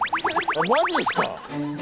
マジすか！？